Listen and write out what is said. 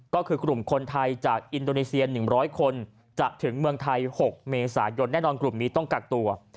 ก็คือกลุ่มคนไทยจากอินโดนีเซีย๑๐๐คนจะถึงเมืองไทย๖เมษายนแน่นอนกลุ่มนี้ต้องกักตัว